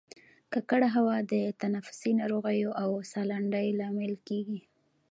ککړه هوا د تنفسي ناروغیو او سالنډۍ لامل کیږي